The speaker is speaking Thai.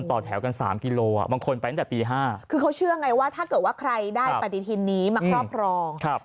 เป็นสมคือเขาเชื่อไงว่าถ้าเกิดว่าใครได้ปฏิทินนี้มาครอบครอง